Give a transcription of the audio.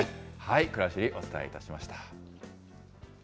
くらしり、お伝えしました。